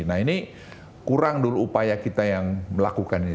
nah ini kurang dulu upaya kita yang melakukan ini